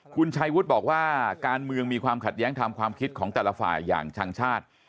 คุณชัยวุฒิบอกว่าการเมืองมีความขัดแย้งทำความคิดของแต่ละฝ่ายอย่างช่างชาติ